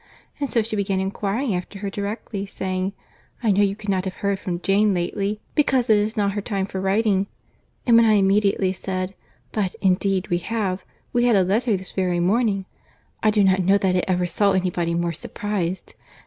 And so she began inquiring after her directly, saying, 'I know you cannot have heard from Jane lately, because it is not her time for writing;' and when I immediately said, 'But indeed we have, we had a letter this very morning,' I do not know that I ever saw any body more surprized.